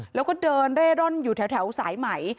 แล้วก็เดินเร่ร่อนอยู่แถวสายไหม